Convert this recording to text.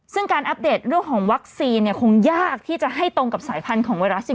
ซึ่งการอัปเดตเรื่องของวัคซีนคงยากที่จะให้ตรงกับสายพันธุ์ของไวรัสซิ